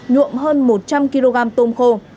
nhuộm hơn một trăm linh kg tôm khô